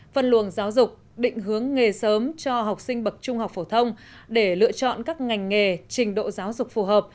phân luồng giáo dục định hướng nghề sớm cho học sinh bậc trung học phổ thông để lựa chọn các ngành nghề trình độ giáo dục phù hợp